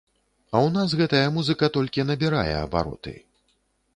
А ў нас гэтая музыка толькі набірае абароты.